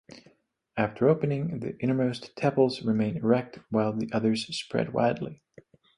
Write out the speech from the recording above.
After opening, the innermost tepals remain erect while the others spread widely.